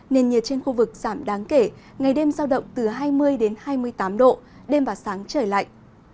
nền nhiệt trên khu vực giảm đáng kể ngày đêm giao động từ hai mươi đến hai mươi tám độ đêm và sáng trời lạnh